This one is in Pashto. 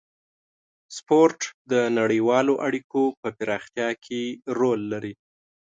سپورت د نړیوالو اړیکو په پراختیا کې رول لري.